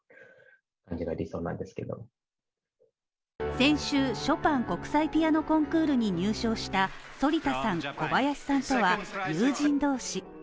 先週、ショパン国際ピアノコンクールに入賞した反田さん小林さんとは友人同士。